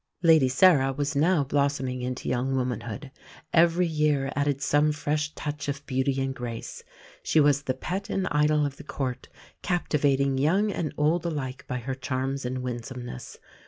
Lady Sarah was now blossoming into young womanhood. Every year added some fresh touch of beauty and grace. She was the pet and idol of the Court, captivating young and old alike by her charms and winsomeness.